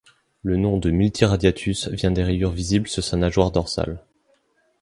Le nom de multiradiatus vient des rayures visibles sur sa nageoire dorsale.